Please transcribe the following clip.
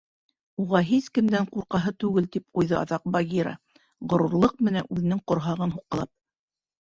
— Уға һис кемдән ҡурҡаһы түгел, — тип ҡуйҙы аҙаҡ Багира, ғорурлыҡ менән үҙенең ҡорһағын һуҡҡылап.